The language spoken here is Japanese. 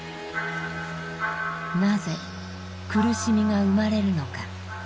なぜ苦しみが生まれるのか。